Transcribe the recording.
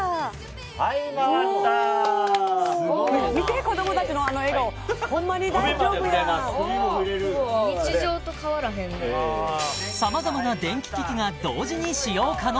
はい回ったー見て子どもたちのあの笑顔ほんまに大丈夫やんさまざまな電気機器が同時に使用可能